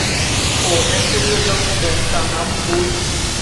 ও এক পুত্রের জন্ম দেন তার নাম বুধ।